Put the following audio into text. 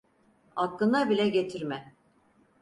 Aklına bile getirme.